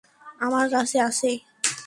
আমার কাছে আছে।